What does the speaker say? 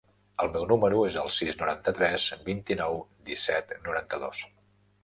El meu número es el sis, noranta-tres, vint-i-nou, disset, noranta-dos.